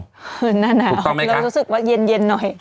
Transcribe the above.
หรือหน้านาวหรือรู้สึกว่าเย็นเนยันหน่อย